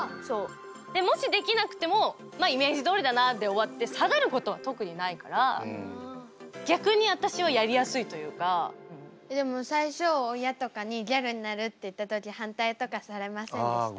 でもしできなくてもまあイメージどおりだなで終わって下がることは特にないからでも最初親とかにギャルになるって言った時反対とかされませんでしたか？